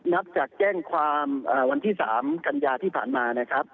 นับจากแจ้งความวันที่๓กันยาที่ผ่านมานะครับ